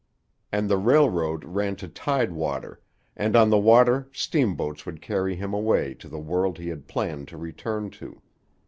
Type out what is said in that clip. And the railroad ran to tide water, and on the water steamboats would carry him away to the world he had planned to return to.